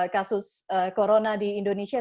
kasus corona di indonesia